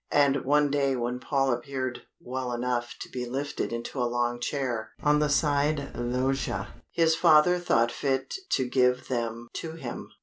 And one day when Paul appeared well enough to be lifted into a long chair on the side loggia, his father thought fit to give them to him.